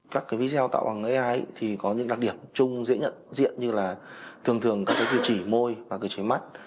các cái video tạo bằng ai thì có những đặc điểm chung dễ nhận diện như là thường thường các cái điều chỉ môi và điều chỉ mắt